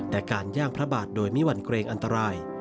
แต่การย่างพระบาทโดยไม่หวั่นเกรงอันตราย